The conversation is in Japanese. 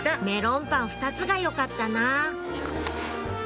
「メロンパン２つがよかったな」